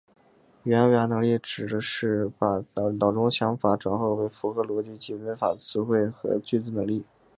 语言表达能力指的是把脑海中的想法转换为符合逻辑及文法的词汇和句子的能力。